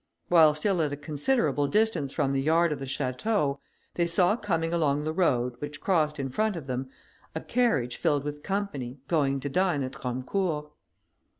While still at a considerable distance from the yard of the château, they saw coming along the road, which crossed in front of them, a carriage filled with company, going to dine at Romecourt.